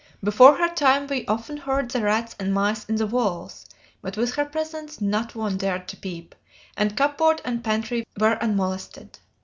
Before her time we often heard the rats and mice in the walls, but with her presence not one dared to peep, and cupboard and pantry were unmolested.